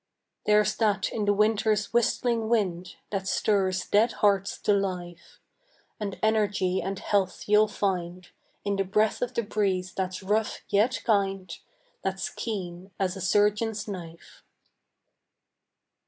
There's that in the winter's whistling wind That stirs dead hearts to life, And energy and health you'll find In the breath of the breeze that's rough yet kind, That's keen as a surgeon's knife.